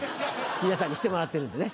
皆さんにしてもらってるんでね。